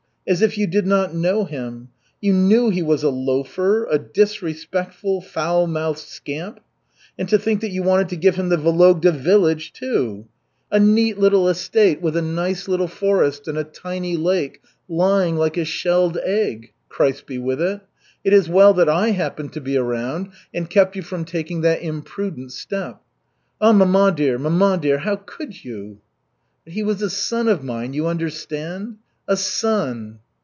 As if you did not know him! You knew he was a loafer, a disrespectful, foul mouthed scamp. And to think that you wanted to give him the Vologda village, too. A neat little estate with a nice little forest and a tiny lake, lying like a shelled egg Christ be with it! It is well that I happened to be around and kept you from taking that imprudent step. Ah, mamma dear, mamma dear, how could you?" "But he was a son of mine, you understand? A son!"